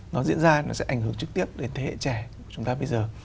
nó diễn ra nó sẽ ảnh hưởng trực tiếp đến thế hệ trẻ của chúng ta bây giờ